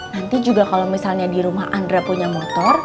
nanti juga kalau misalnya di rumah andra punya motor